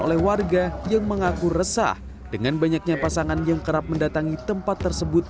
oleh warga yang mengaku resah dengan banyaknya pasangan yang kerap mendatangi tempat tersebut